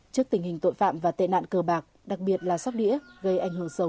trước tình hình tội phạm và tệ nạn cờ bạc đặc biệt là sóc đĩa gây ảnh hưởng sâu